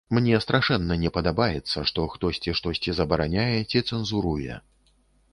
Мне страшэнна не падабаецца, што хтосьці штосьці забараняе ці цэнзуруе.